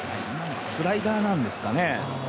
スライダーなんですかね